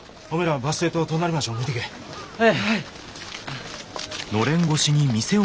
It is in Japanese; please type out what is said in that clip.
はい。